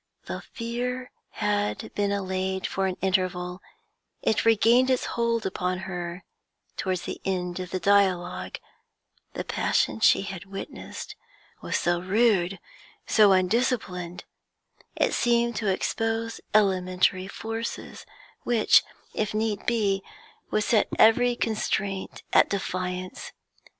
Though fear had been allayed for an interval, it regained its hold upon her towards the end of the dialogue; the passion she had witnessed was so rude, so undisciplined, it seemed to expose elementary forces, which, if need be, would set every constraint at defiance.